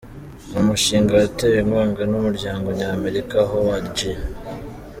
Ni umushinga watewe inkunga n’umuryango Nyamerika Howard G.